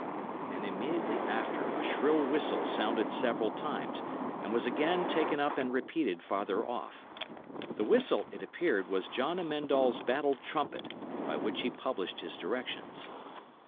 And immediately after a shrill whistle sounded several times, and was again taken up and repeated farther off. The whistle, it appeared, was John Amend All's battle trumpet, by which he published his directions.